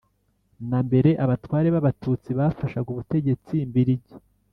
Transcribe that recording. na mbere abatware b Abatutsi bafashaga ubutegetsi mbirigi